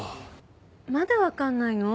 まだわかんないの？